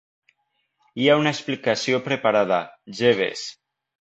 Hi ha una explicació preparada, Jeeves.